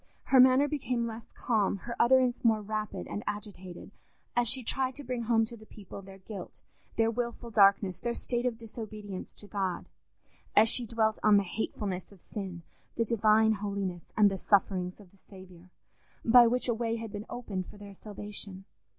Her manner became less calm, her utterance more rapid and agitated, as she tried to bring home to the people their guilt, their wilful darkness, their state of disobedience to God—as she dwelt on the hatefulness of sin, the Divine holiness, and the sufferings of the Saviour, by which a way had been opened for their salvation.